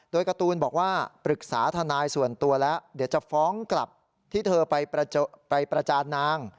โดยการ์ตูนบอกว่าปรึกษาทนายส่วนตัวแล้วเดี๋ยวจะฟ้องกลับที่เธอไปประจานนาง